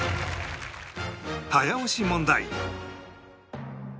早押し問題